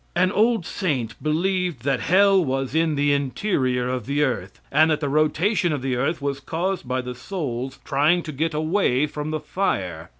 An old saint believed that hell was in the interior of the earth, and that the rotation of the earth was caused by the souls trying to get away from the fire.